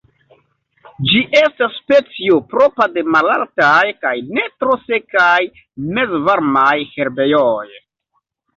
Ĝi estas specio propra de malaltaj kaj ne tro sekaj mezvarmaj herbejoj.